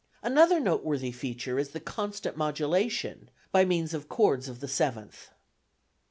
Another noteworthy feature is the constant modulation by means of chords of the seventh.